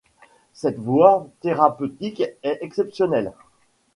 Cette voie thérapeutique est exceptionnelle.